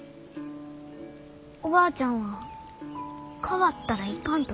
おばあちゃんは変わったらいかんと言いゆう。